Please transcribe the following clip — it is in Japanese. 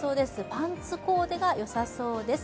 パンツコーデがよさそうです。